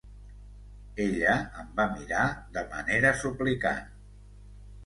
Ella em va mirar de manera suplicant.